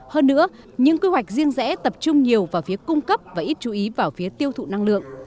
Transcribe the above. hơn nữa những quy hoạch riêng rẽ tập trung nhiều vào phía cung cấp và ít chú ý vào phía tiêu thụ năng lượng